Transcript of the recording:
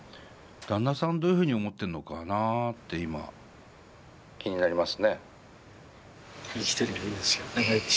旦那さんどういうふうに思ってるのかなって今気になりますね。